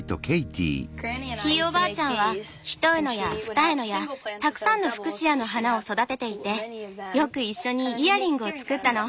ひいおばあちゃんは一重のや二重のやたくさんのフクシアの花を育てていてよく一緒にイヤリングを作ったの。